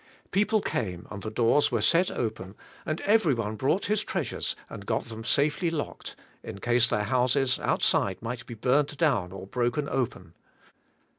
People came and the doors were set open and everyone broug ht his treasures and g ot them safely locked, in case their houses, outside mig ht be burned down or broken open.